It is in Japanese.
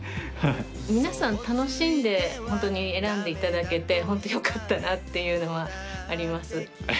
皆さん楽しんで選んでいただけてホントよかったなっていうのはあります。